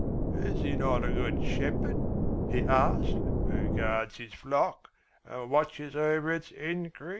"Is not he a good shepherd," he asked, "who guards his flock and watches over its increase?